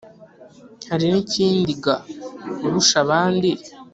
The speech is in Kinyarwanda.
hari n' ikindi ga urusha abandi